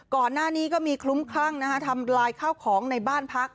ก่อนหน้านี้ก็มีคลุ้มคลั่งทำลายข้าวของในบ้านพัก